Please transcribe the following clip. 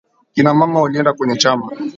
Kina mama walienda kwenye chama.